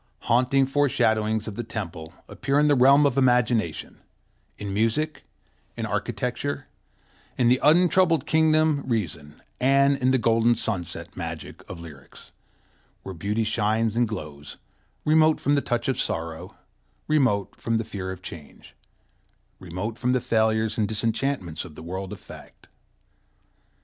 Haunting foreshadowings of the temple appear in the realm of imagination, in music, in architecture, in the untroubled kingdom reason, and in the golden sunset magic of lyrics, where beauty shines and glows, remote from the touch of sorrow, remote from the fear of change, remote from the failures and disenchantments of the world of fact.